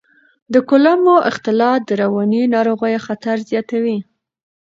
د کولمو اختلالات د رواني ناروغیو خطر زیاتوي.